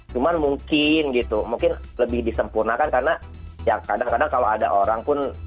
cuman mungkin gitu mungkin lebih disempurnakan karena ya kadang kadang kalau ada orang pun